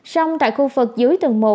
xong tại khu vực dưới tầng một